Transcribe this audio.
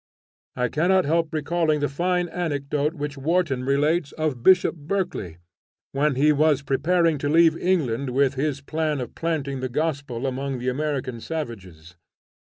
I cannot help recalling the fine anecdote which Warton relates of Bishop Berkeley, when he was preparing to leave England with his plan of planting the gospel among the American savages.